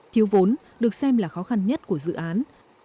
thiếu vốn được xem là khó khăn nhất của dự án